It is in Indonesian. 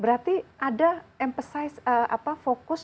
berarti ada fokus